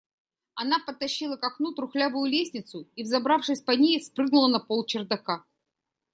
Она подтащила к окну трухлявую лестницу и, взобравшись по ней, спрыгнула на пол чердака.